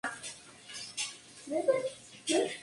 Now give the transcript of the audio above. Tuvo su primera sede en el edificio Sindicatos.